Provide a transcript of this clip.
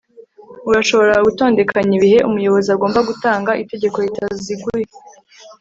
urashobora gutondekanya ibihe umuyobozi agomba gutanga itegeko ritaziguye